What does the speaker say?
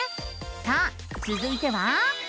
さあつづいては。